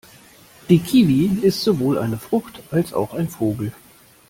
Die Kiwi ist sowohl eine Frucht, als auch ein Vogel.